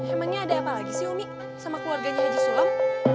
emang ini ada apa lagi sih umi sama keluarganya haji sulam